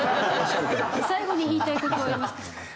最後に言いたい事はありますか？